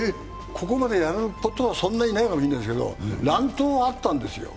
ここまでやることはそんなにないかもしれないけど乱闘はあったんですよ。